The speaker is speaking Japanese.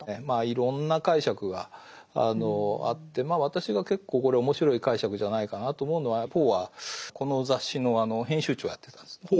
まあいろんな解釈があって私が結構これ面白い解釈じゃないかなと思うのはポーはこの雑誌の編集長をやってたんです。